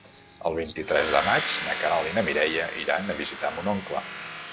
El vint-i-tres de maig na Queralt i na Mireia iran a visitar mon oncle.